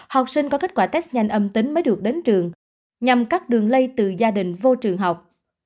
học sinh có kết quả test nhanh âm tính mới được đến trường nhằm cắt đường lây từ gia đình vô trường học